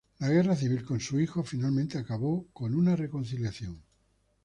La guerra civil con su hijo finalmente acabó con una reconciliación.